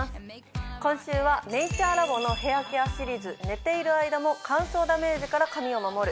今週はネイチャーラボのヘアケアシリーズ寝ている間も乾燥ダメージから髪を守る。